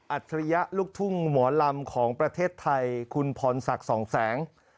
ฉริยะลูกทุ่งหมอลำของประเทศไทยคุณพรศักดิ์สองแสง